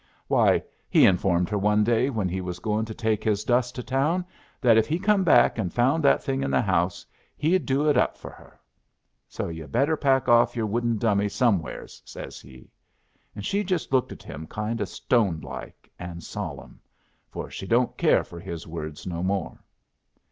"Why, he informed her one day when he was goin' take his dust to town, that if he come back and found that thing in the house, he'd do it up for her. 'So yu' better pack off your wooden dummy somewheres,' says he. And she just looked at him kind o' stone like and solemn. For she don't care for his words no more.